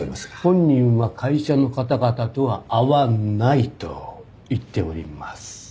本人は会社の方々とは会わないと言っております。